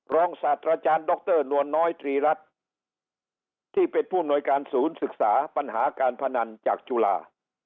ศาสตราจารย์ดรนวลน้อยตรีรัฐที่เป็นผู้อำนวยการศูนย์ศึกษาปัญหาการพนันจากจุฬา